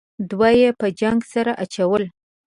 دوه یې په جنگ سره اچول.